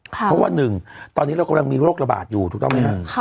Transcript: เพราะว่าหนึ่งตอนนี้เรากำลังมีโรคระบาดอยู่ถูกต้องไหมครับ